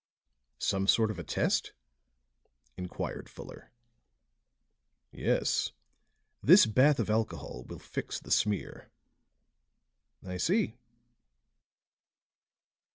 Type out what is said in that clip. "Some sort of a test?" inquired Fuller. "Yes. This bath of alcohol will fix the smear." "I see."